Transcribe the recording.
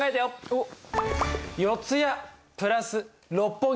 おっ。